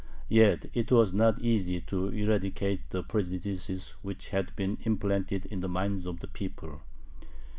Yet it was not easy to eradicate the prejudices which had been implanted in the minds of the people.